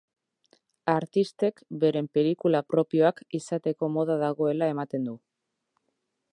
Artistek beren pelikula propioak izateko moda dagoela ematen du.